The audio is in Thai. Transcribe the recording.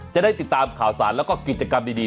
จะได้ติดตามข่าวสารแล้วก็กิจกรรมดี